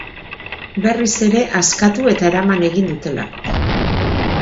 Berriz ere askatu eta eraman egin dutelako.